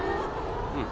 「うん。